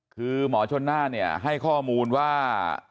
คือหมอชนน่านให้ข้อมูลว่า